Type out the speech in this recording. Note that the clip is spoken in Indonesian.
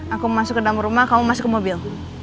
aku masuk ke dalam rumah kamu masuk ke mobil